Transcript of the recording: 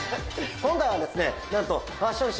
今回はですね、なんとファッション誌、